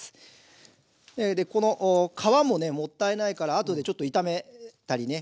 この皮もねもったいないからあとでちょっと炒めたりね。